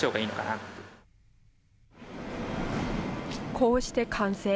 こうして、完成。